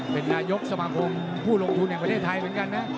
เป็นนายกสมาคมผู้ลงทุนแห่งประเทศไทยเหมือนกันนะ